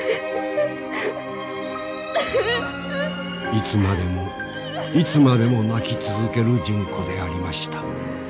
いつまでもいつまでも泣き続ける純子でありました。